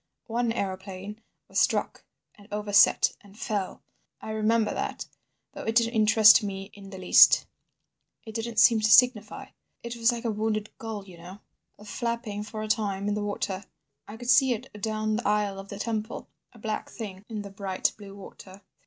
One aeroplane was struck, and overset and fell. I remember that—though it didn't interest me in the least. It didn't seem to signify. It was like a wounded gull, you know—flapping for a time in the water. I could see it down the aisle of the temple—a black thing in the bright blue water.